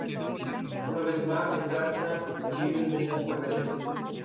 De niña, Taylor escribió cuentos de hadas.